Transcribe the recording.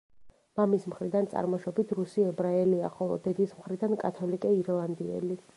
მამის მხრიდან წარმოშობით რუსი ებრაელია, ხოლო დედის მხრიდან კათოლიკე ირლანდიელი.